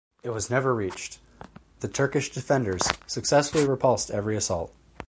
It was never reached; the Turkish defenders successfully repulsed every assault.